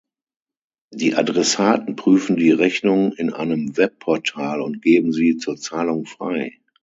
Die Adressaten prüfen die Rechnung in einem Webportal und geben sie zur Zahlung frei.